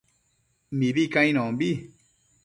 Mibi cainonbi